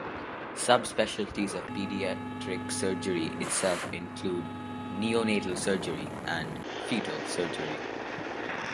Subspecialties of pediatric surgery itself include: neonatal surgery and fetal surgery.